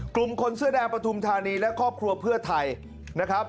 กลุ่มคนเสื้อแดงประธุมธานีและครอบครัวเพื่อไทย